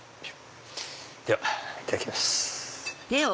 ではいただきます。